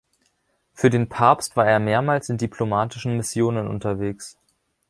Für den Papst war er mehrmals in diplomatischen Missionen unterwegs.